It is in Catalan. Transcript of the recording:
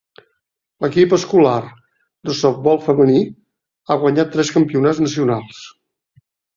L'equip escolar de softbol femení ha guanyat tres campionats nacionals.